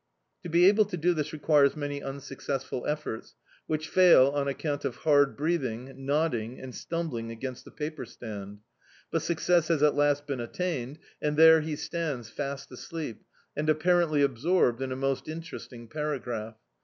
To be able to do this requires many unsuccessful efforts, which fail on account of hard breathing, nod ding and stumbling against the paper stand; but success has at last been attained, and there he stands fast asleep and apparently absorbed in a most in teresting paragraph.